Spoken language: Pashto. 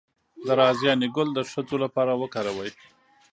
د رازیانې ګل د ښځو لپاره وکاروئ